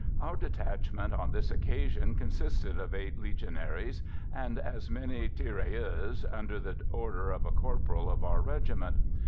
Our detachment on this occasion consisted of eight Legionaries, and as many tirailleurs, under the order of a corporal of our regiment.